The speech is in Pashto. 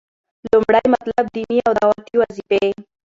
لومړی مطلب - ديني او دعوتي وظيفي: